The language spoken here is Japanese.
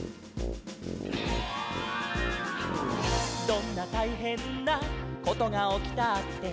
「どんなたいへんなことがおきたって」